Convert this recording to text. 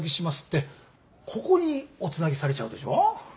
ここにおつなぎされちゃうでしょ？